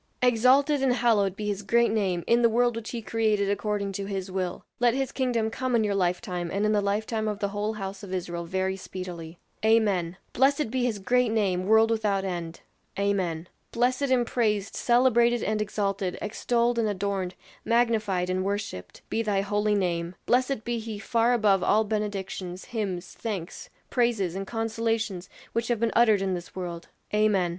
"Exalted and hallowed be his great name in the world which he created according to his will; let his kingdom come in your lifetime, and in the lifetime of the whole house of Israel very speedily!" "Amen!" "Blessed be his great name, world without end." "Amen!" "Blessed and praised, celebrated and exalted, extolled and adorned, magnified and worshipped, be thy holy name; blessed be he far above all benedictions, hymns, thanks, praises, and consolations which have been uttered in this world." "Amen!"